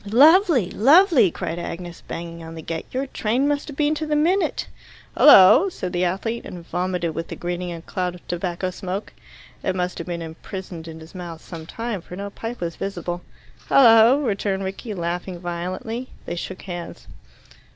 "Lovely! Lovely!" cried Agnes, banging on the gate, "Your train must have been to the minute." "Hullo!" said the athlete, and vomited with the greeting a cloud of tobacco smoke. It must have been imprisoned in his mouth some time, for no pipe was visible. "Hullo!" returned Rickie, laughing violently. They shook hands.